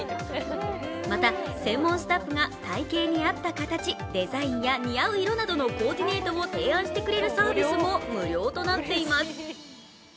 また専門スタッフが体型に合った形、デザインや似合う色などのコーディネートを提案してくれるサービスも無料となっています